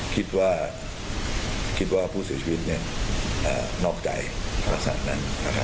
คิดว่าคิดว่าผู้เสียชีวิตเนี้ยอ่านอกใจเพราะสักนั้นนะครับ